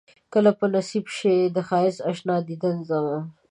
کله به نصيب شي د ښائسته اشنا ديدن زما